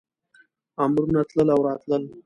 امرونه تلل او راتلل.